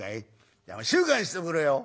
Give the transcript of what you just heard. じゃあ静かにしてくれよ。